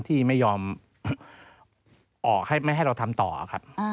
ทำต่อครับ